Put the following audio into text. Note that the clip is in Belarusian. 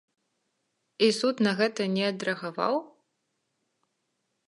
І суд на гэта не адрэагаваў?